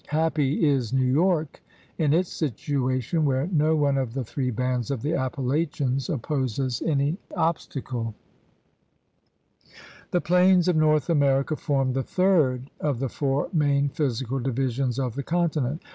Happy is New York in its situation where no one of the three bands of the Appalachians opposes any obstacle 68 THE RED MAN'S CONTINENT The plains of North America form the third of the four main physical divisions of the continent.